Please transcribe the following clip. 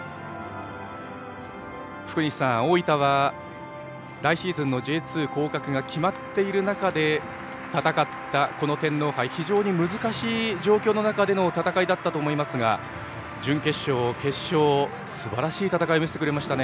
福西さん、大分は来シーズンのＪ２降格が決まっている中で戦ったこの天皇杯非常に難しい状況の中での戦いだったと思いますが準決勝、決勝とすばらしい戦いを見せてくれましたね。